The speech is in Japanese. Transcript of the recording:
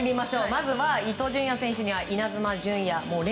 まずは伊東純也選手にはイナズマ純也。